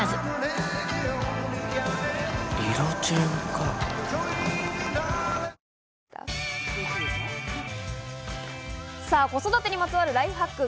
「ほんだし」で子育てにまつわるライフハック。